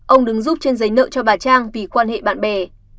ông đứng giúp trên giấy nợ cho bà trang vì quan hệ bạn bè